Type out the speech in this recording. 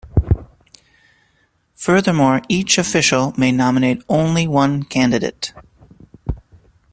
Furthermore, each official may nominate only one candidate.